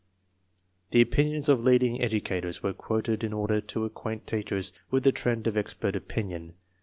The opinions of leading educators were quoted in order to acquaint teachers with the trend of expert opinion.